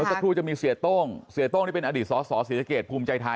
สักครู่จะมีเสียโต้งเสียโต้งนี่เป็นอดีตสสศรีสะเกดภูมิใจไทย